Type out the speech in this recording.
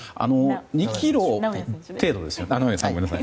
２ｋｇ程度ですよね。